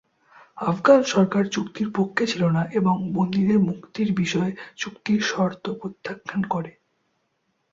আফগান সরকার চুক্তির পক্ষে ছিল না এবং বন্দীদের মুক্তির বিষয়ে চুক্তির শর্ত প্রত্যাখ্যান করে।